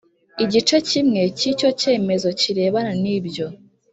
igice cyimwe cy icyo cyemezo kirebana nibyo